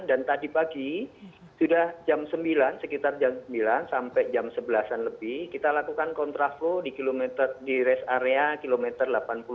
dan tadi pagi sudah jam sembilan sekitar jam sembilan sampai jam sebelas an lebih kita lakukan kontra flow di rest area kilometer delapan puluh enam